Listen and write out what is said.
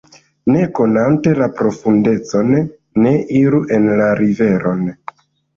Ne konante la profundecon, ne iru en la riveron.